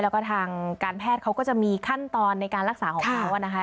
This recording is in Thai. แล้วก็ทางการแพทย์เขาก็จะมีขั้นตอนในการรักษาของเขานะคะ